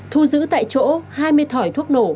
thu giữ tại chỗ hai mươi thỏi thuốc nổ